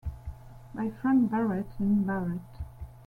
By Frank Barrett; Lynn Barrett.